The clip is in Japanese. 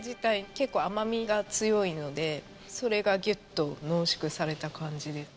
結構甘みが強いのでそれがギュッと濃縮された感じで。